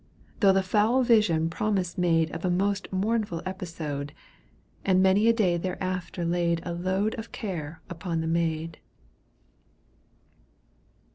Though the foul vision promise made Of a most mournful episode, And many a day thereafter laid A load of care upon the maid.